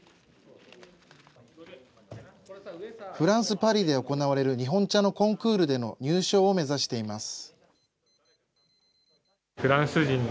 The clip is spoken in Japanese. フランス・パリで行われる日本茶のコンクールでの入賞を目指しています。